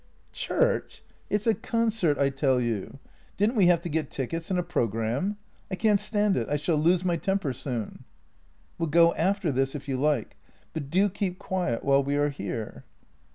" Church ! It's a concert, I tell you — didn't we have to get tickets and a program? I can't stand it. I shall lose my temper soon." " We'll go after this if you like, but do keep quiet while we are here."